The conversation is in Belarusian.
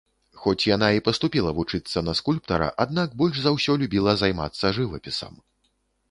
Хоць яна і паступіла вучыцца на скульптара, аднак больш за ўсё любіла займацца жывапісам.